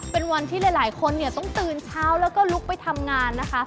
เป็นวันที่หลายคนเนี่ยต้องตื่นเช้าแล้วก็ลุกไปทำงานนะคะ